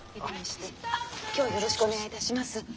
今日はよろしくお願いいたします。